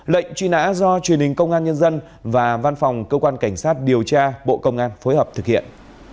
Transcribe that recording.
lệnh truy nã do truyền hình công an nhân dân và văn phòng cơ quan cảnh sát điều tra bộ công an phối hợp thực hiện